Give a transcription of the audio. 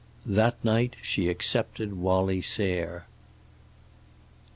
That night she accepted Wallie Sayre.